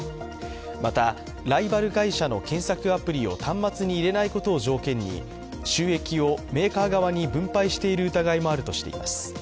また、ライバル会社の検索アプリを端末に入れないことを条件に収益をメーカー側の分配している疑いもあるとしています。